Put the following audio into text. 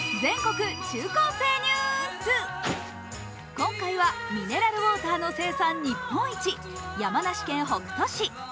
今回はミネラルウォーターの生産日本一、山梨県北杜市。